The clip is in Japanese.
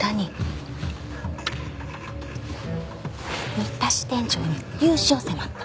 新田支店長に融資を迫った。